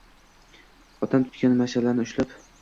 Otam tutgan mash’alni ushlab